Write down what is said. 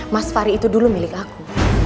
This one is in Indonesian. mas fari itu dulu milik aku